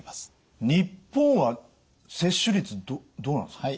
日本は接種率どうなんですか？